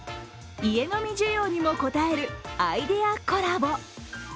家飲み需要にも応えるアイデアコラボ。